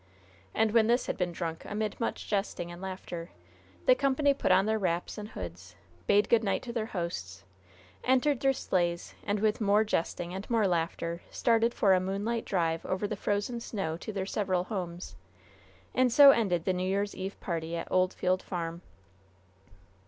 And when this had been drunk amid much jesting and laughter, the company put on their wraps and hoods, bade good night to their hosts, entered their sleighs, and, with more jesting and more laughter, started for a moonlight drive over the frozen snow to their several homes. And so ended the New Year's Eve party at Oldfield Farm.